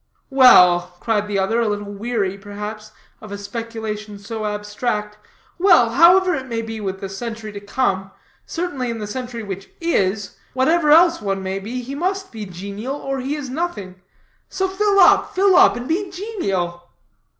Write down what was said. "Well," cried the other, a little weary, perhaps, of a speculation so abstract, "well, however it may be with the century to come, certainly in the century which is, whatever else one may be, he must be genial or he is nothing. So fill up, fill up, and be genial!"